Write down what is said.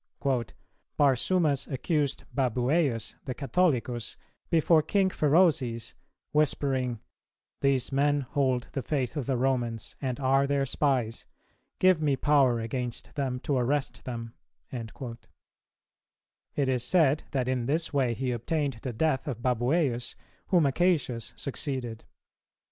"Barsumas accused Babuæus, the Catholicus, before King Pherozes, whispering, 'These men hold the faith of the Romans, and are their spies. Give me power against them to arrest them.'"[294:1] It is said that in this way he obtained the death of Babuæus, whom Acacius succeeded.